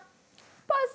パス！